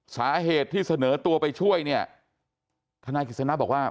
สาเหตุที่เสนอตัวไปช่วยเนี่ยทนายกฤษณะบอกว่า